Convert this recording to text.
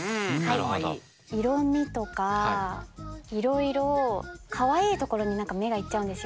色みとかいろいろかわいいところに何か目がいっちゃうんですよ。